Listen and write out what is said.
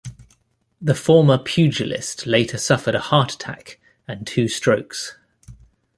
The former pugilist later suffered a heart attack and two strokes.